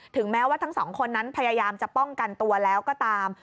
แม้ว่าทั้งสองคนนั้นพยายามจะป้องกันตัวแล้วก็ตาม